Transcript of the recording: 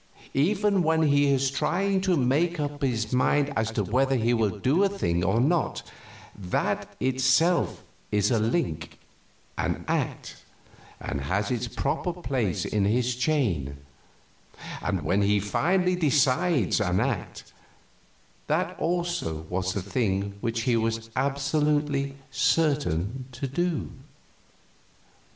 Even when he is trying to make up his mind as to whether he will do a thing or not, that itself is a link, an act, and has its proper place in his chain; and when he finally decides an act, that also was the thing which he was absolutely certain to do.